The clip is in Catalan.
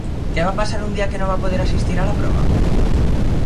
Què va passar un dia que no va poder assistir a la prova?